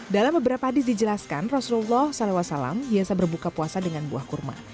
dalam beberapa hadis dijelaskan rasulullah saw biasa berbuka puasa dengan buah kurma